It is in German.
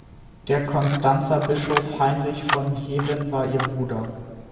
Der Konstanzer Bischof Heinrich von Hewen war ihr Bruder.